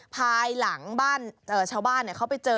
ภายหลังบ้านชาวบ้านเขาไปเจอ